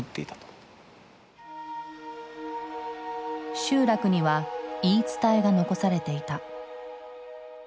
集落には言い伝えが残されていた。